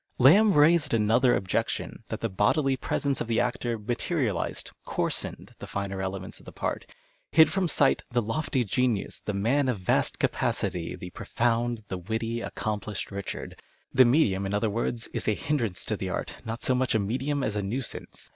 Lamb raised another objection, that the bodily presence of the actor materialized, coarsened, the finer elements of the part — hid from sight " the lofty genius, the man of vast capacity, the profound, the witty, accomplished Richard." The medium, in other words, is a hindrance to the art, not so much a medium as a nuisance.